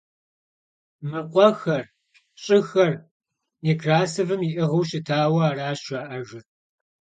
Мы къуэхэр, щӀыхэр Некрасовым иӀыгъыу щытауэ аращ жаӀэжыр.